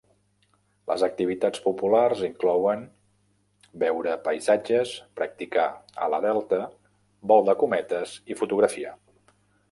Les activitats populars inclouen veure paisatges, practicar ala delta, vol de cometes i fotografia.